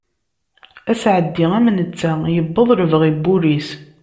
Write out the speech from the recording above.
Aseɛdi am netta, yewweḍ lebɣi n wul-is.